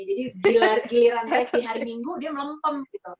jadi giliran race di hari minggu dia melempem gitu